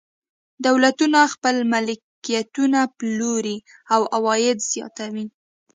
دولتونه خپل ملکیتونه پلوري او عواید زیاتوي.